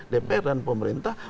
dpr dan pemerintah